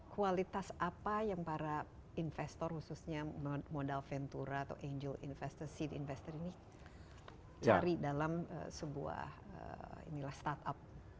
kualitas apa yang para investor khususnya modal ventura atau angel investor seed investor ini cari dalam sebuah inilah startup